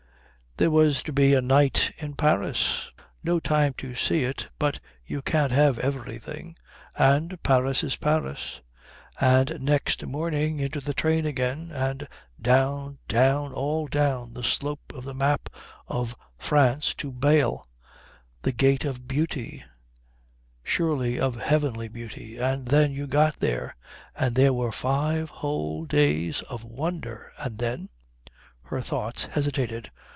There was to be a night in Paris no time to see it, but you can't have everything, and Paris is Paris and next morning into the train again, and down, down, all down the slope of the map of France to Bâle, the Gate of Beauty, surely of heavenly beauty, and then you got there, and there were five whole days of wonder, and then.... Her thoughts hesitated.